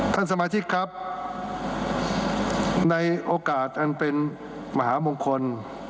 ท่านสมาชิกครับในโอกาสอันเป็นมหามงคล